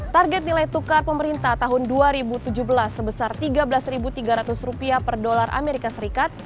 target nilai tukar pemerintah tahun dua ribu tujuh belas sebesar rp tiga belas tiga ratus per dolar amerika serikat